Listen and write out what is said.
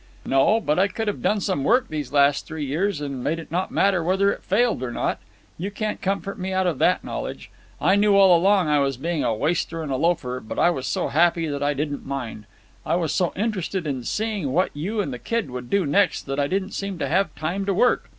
"No; but I could have done some work these last three years and made it not matter whether it failed or not. You can't comfort me out of that knowledge. I knew all along that I was being a waster and a loafer, but I was so happy that I didn't mind. I was so interested in seeing what you and the kid would do next that I didn't seem to have time to work.